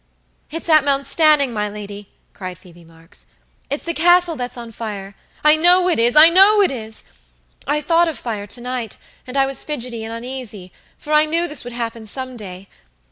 "It's at Mount Stanning, my lady!" cried Phoebe Marks. "It's the Castle that's on fireI know it is, I know it is! I thought of fire to night, and I was fidgety and uneasy, for I knew this would happen some day.